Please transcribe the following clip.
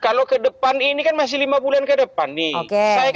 kalau ke depan ini kan masih lima bulan ke depan nih